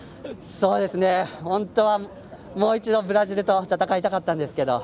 そうですね、本当はもう一度、ブラジルと戦いたかったんですけど。